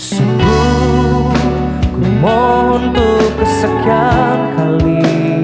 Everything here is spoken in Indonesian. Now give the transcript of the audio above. sungguh ku mohon untuk kesekian kali